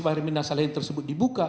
wain mirna salihin tersebut dibuka